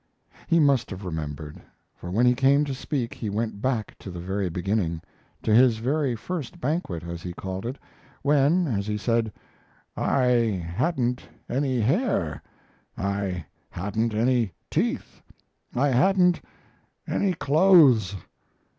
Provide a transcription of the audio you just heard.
He must have remembered; for when he came to speak he went back to the very beginning, to his very first banquet, as he called it, when, as he said, "I hadn't any hair; I hadn't any teeth; I hadn't any clothes."